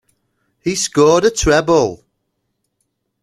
He scored a treble.